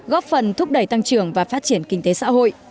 góp phần thúc đẩy tăng trưởng và phát triển kinh tế xã hội